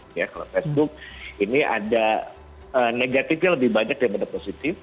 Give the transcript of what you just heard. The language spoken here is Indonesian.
kalau facebook ini ada negatifnya lebih banyak daripada positif